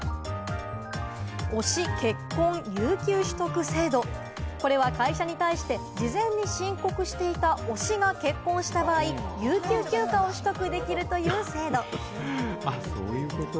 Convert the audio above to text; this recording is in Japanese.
その制度が、これは会社に対して事前に申告していた推しが結婚した場合、有給休暇を取得できるという制度。